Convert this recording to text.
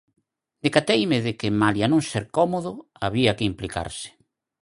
Decateime de que, malia non ser cómodo, había que implicarse.